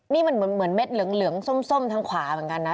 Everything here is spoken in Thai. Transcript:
นี่มันเหมือนเม็ดเหลืองส้มทางขวาเหมือนกันนะ